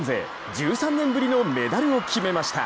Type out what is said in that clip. １３年ぶりのメダルを決めました。